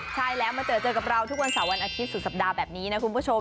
ใช่แล้วมาเจอเจอกับเราทุกวันเสาร์วันอาทิตยสุดสัปดาห์แบบนี้นะคุณผู้ชม